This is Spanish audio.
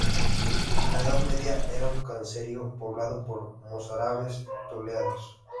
En la Edad Media era un caserío poblado por mozárabes toledanos.